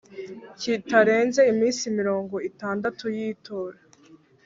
kitarenze iminsi mirongo itandatu y itora